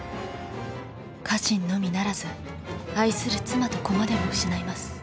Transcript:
家臣のみならず愛する妻と子までも失います。